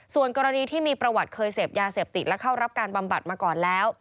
ส่วนกรณีที่มีประวัติเคยเสพยาเสพติดและเข้ารับการบำบัดมาก่อนแล้ว